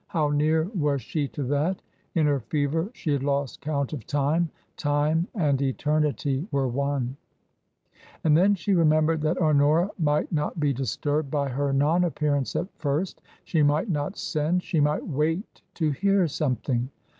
How near was she to that ? In her fever she had lost count of time Time and eternity were one. And then she remembered that Honora might not be disturbed by her non appearance at first ; she might not send ; she might wait to hear something.